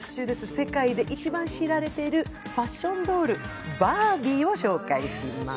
世界で一番知られているファッションドール、バービーを紹介します。